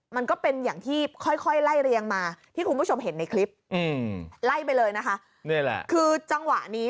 มาที่คุณผู้ชมเห็นในคลิปอืมไล่ไปเลยนะคะนี่แหละคือจังหวะนี้